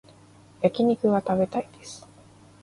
焼き肉が食べたいです